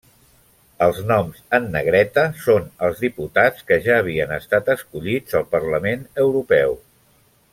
Els noms en negreta són els diputats que ja havien estat escollits al Parlament Europeu.